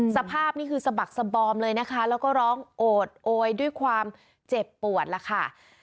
สภาพนี่คือสะบักสบอมเลยนะคะแล้วก็ร้องโอดโอยด้วยความเจ็บปวดล่ะค่ะ